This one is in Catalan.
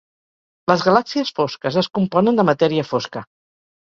Les galàxies fosques es componen de matèria fosca.